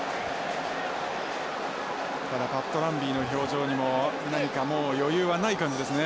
ただパットランビーの表情にも何かもう余裕はない感じですね。